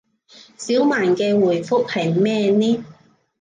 小曼嘅回覆係咩呢